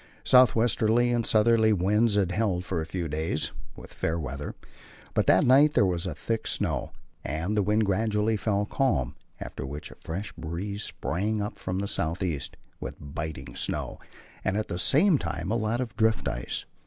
South westerly and southerly winds had held for a few days, with fair weather; but that night there was thick snow, and the wind gradually fell calm, after which a fresh breeze sprang up from the south east, with biting snow, and at the same time a lot of drift ice.